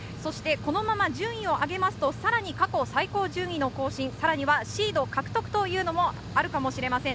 このまま順位を上げると過去最高順位の更新、さらにはシード獲得というのもあるかもしれません。